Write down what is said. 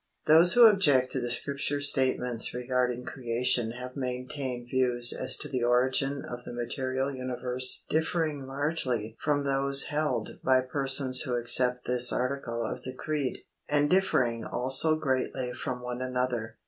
Those who object to the Scripture statements regarding Creation have maintained views as to the origin of the material universe differing largely from those held by persons who accept this article of the Creed, and differing also greatly from one another.